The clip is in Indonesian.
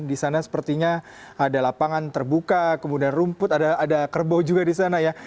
di sana sepertinya ada lapangan terbuka kemudian rumput ada kerbau juga di sana ya